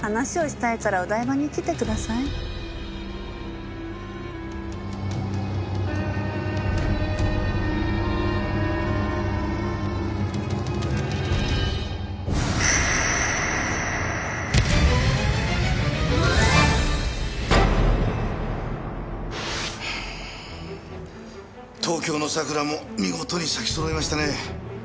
東京の桜も見事に咲きそろいましたね一課長。